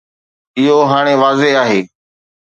اهو هاڻي واضح آهي.